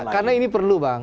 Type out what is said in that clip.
karena ini perlu bang